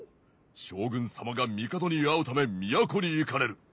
将軍様が帝に会うため都に行かれる。